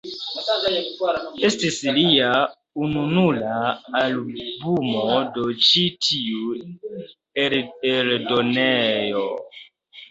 Estis lia ununura albumo de ĉi tiu eldonejo.